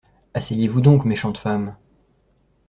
Asseyez-vous donc, méchante femme.